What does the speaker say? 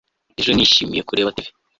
ejo nishimiye kureba tv